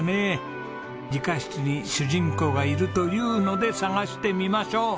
理科室に主人公がいるというので探してみましょう！